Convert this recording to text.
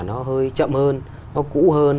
nó hơi chậm hơn nó cũ hơn